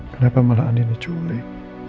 kenapa malah andin diculik